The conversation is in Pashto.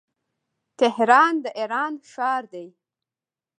تهران د ايران ښار دی.